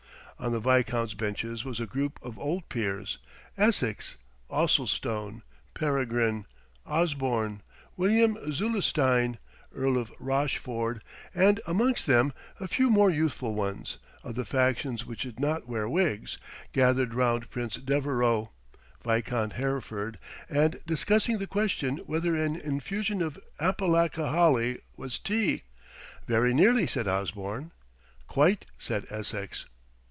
On the viscounts' benches was a group of old peers, Essex, Ossulstone, Peregrine, Osborne, William Zulestein, Earl of Rochford, and amongst them, a few more youthful ones, of the faction which did not wear wigs, gathered round Prince Devereux, Viscount Hereford, and discussing the question whether an infusion of apalaca holly was tea. "Very nearly," said Osborne. "Quite," said Essex.